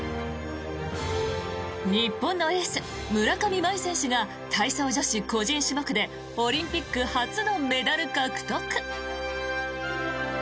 日本のエース、村上茉愛選手が体操女子個人種目でオリンピック初のメダル獲得。